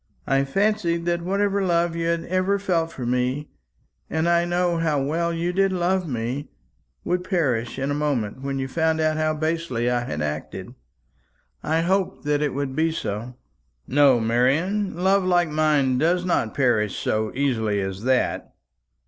"I fancied that whatever love you had ever felt for me and I know how well you did love me would perish in a moment when you found how basely I had acted. I hoped that it would be so." "No, Marian; love like mine does not perish so easily as that.